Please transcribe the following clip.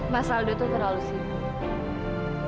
mas aldo itu terlalu sibuk